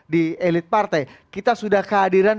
di elit partai kita sudah kehadiran